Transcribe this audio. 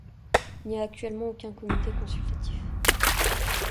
Il n'y a actuellement aucun comité consultatif.